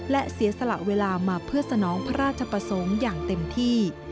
และเสียสละเวลามาเพื่อสนองพระราชประสงค์อย่างเต็มที่